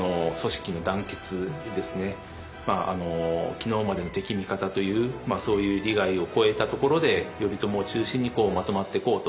昨日までの敵味方というそういう利害を超えたところで頼朝を中心にまとまっていこうと。